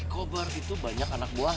kober itu banyak anak buah